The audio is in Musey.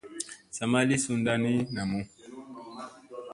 Sa ma li sunda ni namu.